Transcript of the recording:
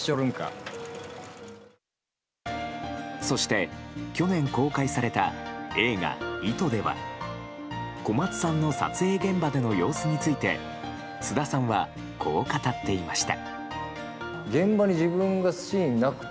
そして、去年公開された映画「糸」では小松さんの撮影現場での様子について菅田さんは、こう語っていました。